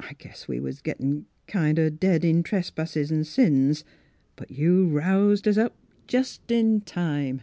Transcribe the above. I guess we was gettin' kind o' dead in trespasses an' sins; but you roused us up jest in time.